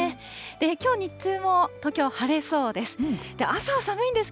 きょう日中も東京、晴れそうです。